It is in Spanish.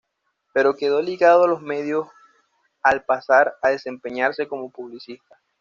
Pero quedó ligado a los medios al pasar a desempeñarse como publicista.